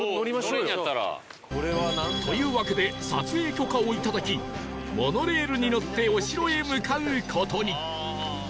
というわけで撮影許可をいただきモノレールに乗ってお城へ向かう事に